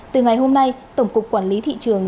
từ ngày hôm nay tổng cục quản lý thị trường